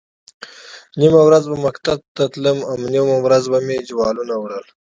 نیمه ورځ به مکتب ته تلم او نیمه ورځ به مې جوالونه وړل.